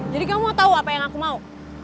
jadi kamu mau tau apa yang aku mau